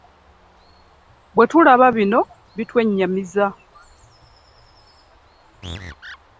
Bwe tulaba bino bitwennyamiza.